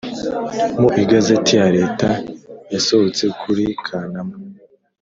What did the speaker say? Mu igazeti ya leta yasohotse kuri kanama